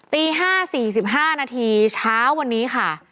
ตี๕๔๕นาทีเช้าวันนี้ค่ะ